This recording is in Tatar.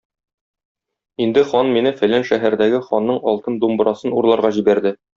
Инде хан мине фәлән шәһәрдәге ханның алтын думбрасын урларга җибәрде.